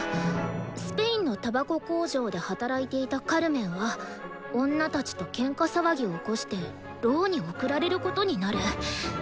「スペインのタバコ工場で働いていたカルメンは女たちとケンカ騒ぎを起こして牢に送られることになる」。